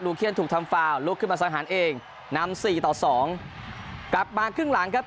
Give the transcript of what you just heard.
ลูเคียนถูกทำฟาวลุกขึ้นมาสะหารเองนำ๔๒กลับมาครึ่งหลังครับ